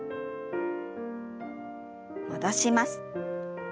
戻します。